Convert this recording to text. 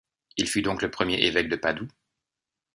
Il fut donc le premier évêque de Padoue.